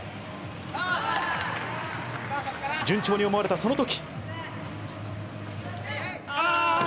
順調に思われたその時。